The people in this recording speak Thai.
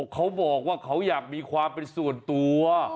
เขาบอกว่าเขาอยากมีความเป็นส่วนตัว